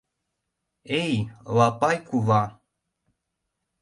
— Эй, лапай кува.